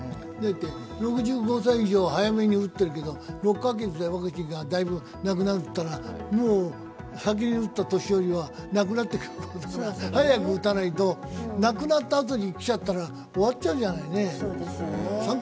６５歳以上は早めに打っているけど、６カ月でワクチンがなくなるっていったらもう先に打った年寄りはなくなっていく、早く打たないと、亡くなったあとに来ちゃったら終わっちゃうじゃないね。